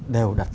đều đặt ra